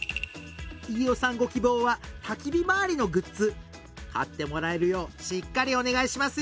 飯尾さんご希望はたき火周りのグッズ買ってもらえるようしっかりお願いしますよ